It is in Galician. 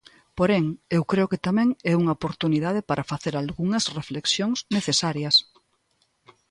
Porén, eu creo que tamén é unha oportunidade para facer algunhas reflexións necesarias.